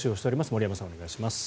森山さん、お願いします。